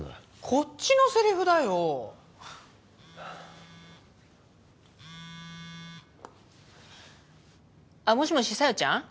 こっちのセリフだよあっもしもし小夜ちゃん？